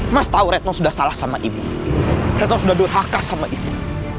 mas tahu retom sudah salah sama ibu retor sudah durhaka sama itu